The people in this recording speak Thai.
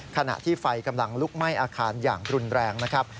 ขณะที่ไฟกำลังลุกไหม้อาคารอย่างรุนแรงนะครับ